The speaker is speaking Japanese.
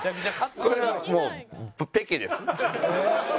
これはもうペケです。